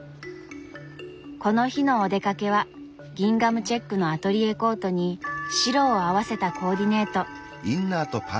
この日のお出かけはギンガムチェックのアトリエコートに白を合わせたコーディネート。